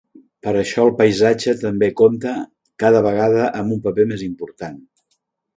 Per això, el paisatge també compta cada vegada amb un paper més important.